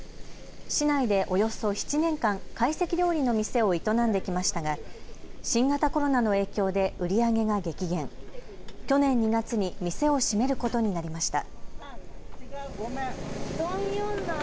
市内でおよそ７年間、会席料理の店を営んできましたが新型コロナの影響で売り上げが激減、去年２月に店を閉めることになりました。